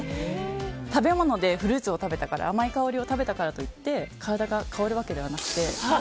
食べ物でフルーツを食べたから甘い香りを食べたからといって体が香るわけではなくて。